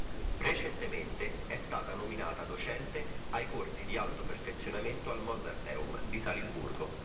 Recentemente è stata nominata docente ai corsi di alto perfezionamento al Mozarteum, di Salisburgo.